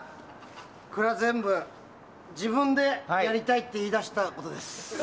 これは全部、自分でやりたいって言いだしたことです。